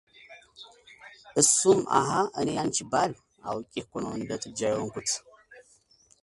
እሱም አሃ እኔ ያንቺ ባል! አውቄ እኮ ነው እንደ ጥጃ የሆንኩት፡፡